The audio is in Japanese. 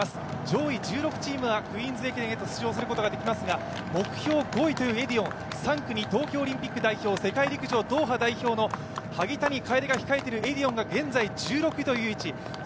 上位１６チームがクイーンズ駅伝へと出場することができますが目標５位というエディオン、３区に東京オリンピック代表世界陸上ドーハ代表の萩谷楓が控えているエディオンが現在１６位という位置。